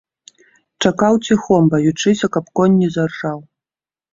Чакаў ціхом, баючыся, каб конь не заржаў.